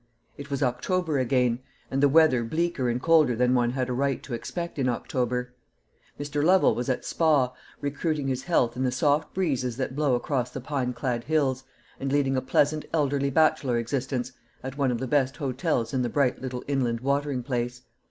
It was October again, and the weather bleaker and colder than one had a right to expect in October. Mr. Lovel was at Spa, recruiting his health in the soft breezes that blow across the pine clad hills, and leading a pleasant elderly bachelor existence at one of the best hotels in the bright little inland watering place.